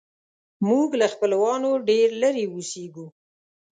موږ له خپلوانو ډېر لیرې اوسیږو